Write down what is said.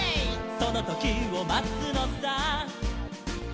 「そのときをまつのさ」